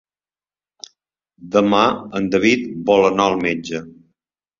Demà en David vol anar al metge.